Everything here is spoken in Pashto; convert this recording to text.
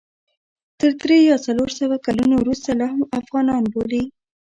تر درې یا څلور سوه کلونو وروسته لا هم افغانان بولي.